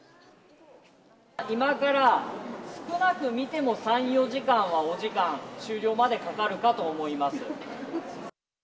今から少なく見ても３、４時間は、お時間、終了までかかるかと思います。